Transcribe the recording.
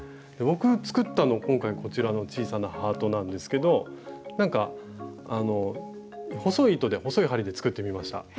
僕作ったの今回こちらの小さなハートなんですけどなんか細い糸で細い針で作ってみました。